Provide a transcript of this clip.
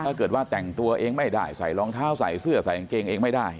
ถ้าเกิดว่าแต่งตัวเองไม่ได้ใส่รองเท้าใส่เสื้อใส่กางเกงเองไม่ได้